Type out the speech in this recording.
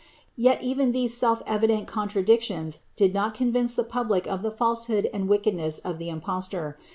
Yet even these self evident contradictious did not convince the public of the falsehood and wickedness of the impostor.